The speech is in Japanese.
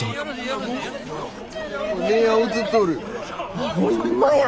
あっホンマや！